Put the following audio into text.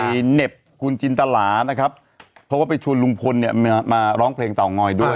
เหน็บคุณจินตลานะครับเพราะว่าไปชวนลุงพลเนี่ยมาร้องเพลงเตางอยด้วย